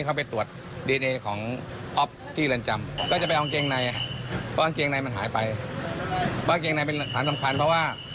เพราะว่ากางเกงในเป็นอัตรีสำคัญเพราะว่า